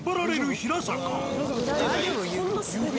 大丈夫？